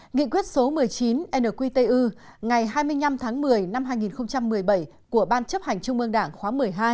nghị quyết số một mươi chín nqtu ngày hai mươi năm tháng một mươi năm hai nghìn một mươi bảy của ban chấp hành trung ương đảng khóa một mươi hai